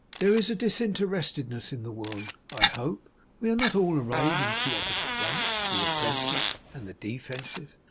'There is disinterestedness in the world, I hope? We are not all arrayed in two opposite ranks; the OFfensive and the DEfensive.